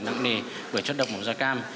nặng nề bởi chất độc màu da cam